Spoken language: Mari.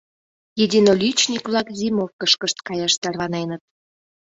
Единоличник-влак зимовкышкышт каяш тарваненыт.